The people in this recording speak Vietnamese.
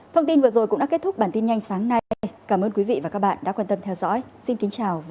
thông tin vừa rồi cũng đã kết thúc bản tin nhanh sáng nay cảm ơn quý vị và các bạn đã quan tâm theo dõi xin kính chào và hẹn gặp lại